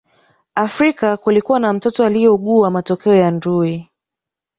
Afrika kulikuwa na mtoto aliyeugua matokeo ya ndui